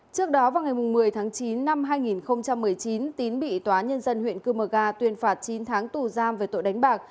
trước đó vào ngày một mươi tháng chín năm hai nghìn một mươi chín tín bị tòa nhân dân huyện cư mờ ga tuyên phạt chín tháng tù giam về tội đánh bạc